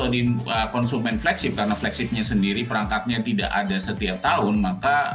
di konsumen yang kelasnya itu adalah kelasnya